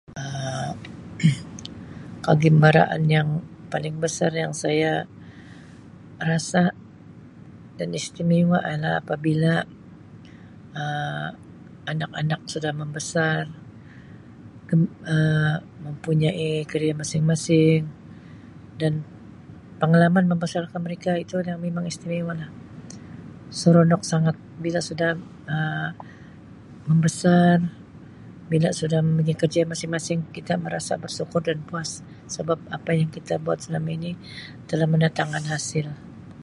Um Kegimbaraan yang paling besar saya rasa dan istimewa ialah apabila Um anak-anak sudah membesar Um mempunyai karier masing-masing dan pengalaman membesarkan mereka itu ada memang istimewa lah seronok sangat bila sudah Um membesar bila sudah mempunyai kerjaya masing-masing kita merasa bersyukur dan puas sebab apa yang kita buat selama ini telah mendatangkan hasil.